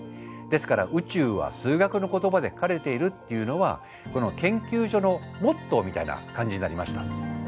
ですから「宇宙は数学の言葉で書かれている」っていうのはこの研究所のモットーみたいな感じになりました。